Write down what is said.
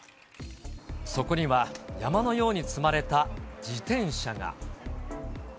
そこには、山のように積まれた自転車が。